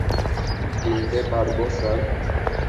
চিনতে পারবো, স্যার।